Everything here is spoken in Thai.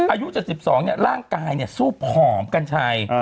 อายุ๗๒แหล่งกายสู้ผอมจนกันใช้